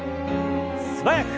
素早く。